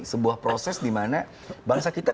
sebuah proses dimana bangsa kita